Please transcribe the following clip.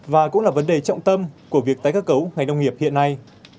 và cũng là vấn đề trọng tâm của việc tái cơ cấu ngành nông nghiệp hiện nay